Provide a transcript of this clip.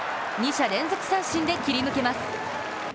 ２者連続三振で切り抜けます。